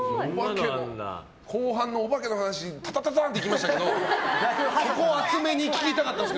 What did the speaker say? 後半のおばけの話タタタタッてきましたけどそこを厚めに聞きたかったです。